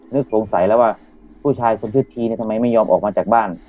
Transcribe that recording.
สงสัยแล้วว่าผู้ชายคนชื่อชีเนี่ยทำไมไม่ยอมออกมาจากบ้าน